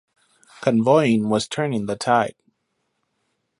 Convoying was turning the tide.